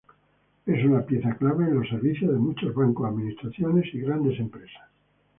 Es una pieza clave en los servicios de muchos bancos, administraciones y grandes empresas.